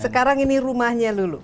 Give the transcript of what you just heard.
sekarang ini rumahnya lulu